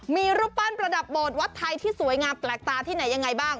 มีรูปปั้นประดับโบสถวัดไทยที่สวยงามแปลกตาที่ไหนยังไงบ้าง